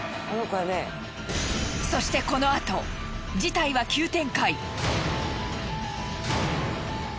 そしてこのあと事態は急展開。